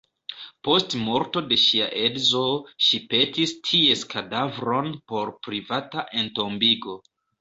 Post morto de ŝia edzo, ŝi petis ties kadavron por privata entombigo.